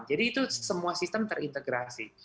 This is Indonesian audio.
jadi itu semua sistem terintegrasi